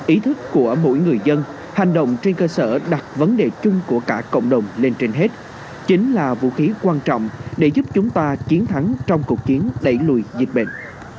ý thức của mỗi người dân hành động trên cơ sở đặt vấn đề chung của cả cộng đồng lên trên hết chính là vũ khí quan trọng để giúp chúng ta chiến thắng trong cuộc chiến đẩy lùi dịch bệnh